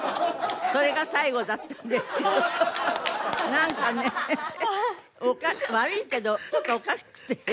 なんかね悪いけどちょっとおかしくてね